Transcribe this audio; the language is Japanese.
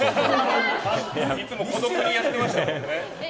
いつも孤独でやってますもんね。